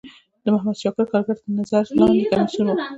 د محمد شاکر کارګر تر نظر لاندی کمیسیون و.